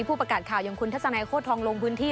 ผู้ประกาศข่าวอย่างคุณทัศนายโคตรทองลงพื้นที่